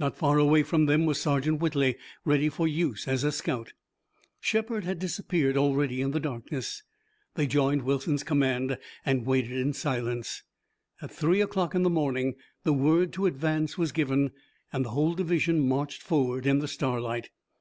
Not far away from them was Sergeant Whitley, ready for use as a scout. Shepard had disappeared already in the darkness. They joined Wilson's command and waited in silence. At three o'clock in the morning the word to advance was given and the whole division marched forward in the starlight.